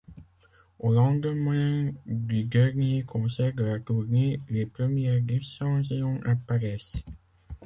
Au lendemain du dernier concert de la tournée, les premières dissensions apparaissent.